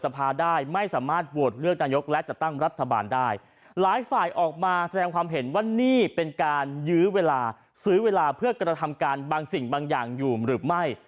เพื่อกระทำการบางสิ่งบางอย่างหยุ่มหรือไม่